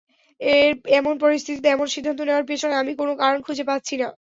এমন পরিস্থিতিতে এমন সিদ্ধান্ত নেওয়ার পেছনে আমি কোনো কারণ খুঁজে পাচ্ছি না।